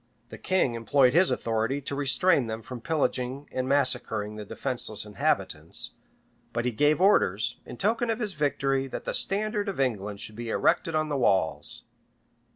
The king employed his authority to restrain them from pillaging and massacring the defenceless inhabitants; but he gave orders, in token of his victory, that the standard of England should be erected on the walls.